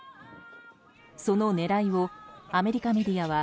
その狙いをアメリカメディアは